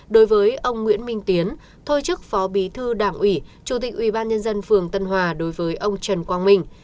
đối với ông nguyễn minh tiến thôi chức phó bí thư đảng ủy chủ tịch ủy ban nhân dân phường tân hòa đối với ông trần quang minh